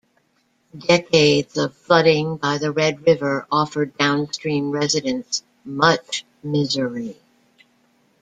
Decades of flooding by the Red River offered downstream residents much misery.